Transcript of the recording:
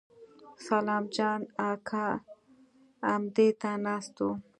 سلام جان اکا امدې ته ناست و.